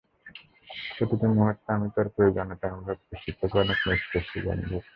প্রতিটি মুহূর্তে আমি তোর প্রয়োজনীয়তা অনুভব করছি, তোকে অনেক মিস করছি, বন্ধু।